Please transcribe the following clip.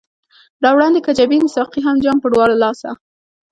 را وړاندي که جبين ساقي هم جام پۀ دواړه لاسه